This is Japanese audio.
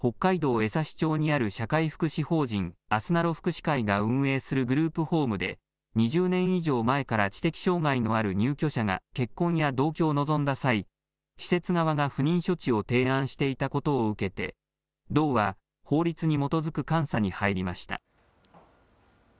江差町にある社会福祉法人あすなろ福祉会が運営するグループホームで、２０年以上前から知的障害のある入居者が結婚や同居を望んだ際、施設側が不妊処置を提案していたことを受けて、道は法律に基づく監査に入りました。